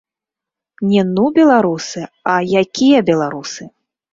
Не, ну беларусы, а, якія беларусы!